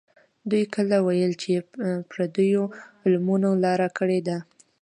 دوی کله ویل چې پردیو علمونو لاره کړې ده.